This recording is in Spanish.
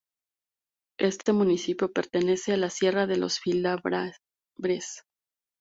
Este municipio pertenece a la Sierra de los Filabres.